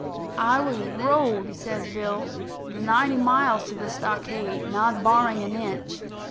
"I was rode," says Bill, "the ninety miles to the stockade, not barring an inch.